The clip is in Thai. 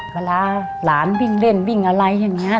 เวลาหลานวิ่งเล่นวิ่งอะไรอย่างนี้